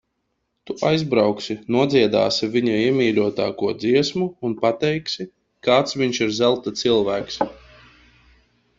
Tu aizbrauksi, nodziedāsi viņa iemīļotāko dziesmu un pateiksi, kāds viņš ir zelta cilvēks.